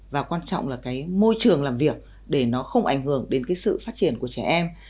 và quan trọng là cái môi trường làm việc để nó không ảnh hưởng đến cái sự phát triển của trẻ em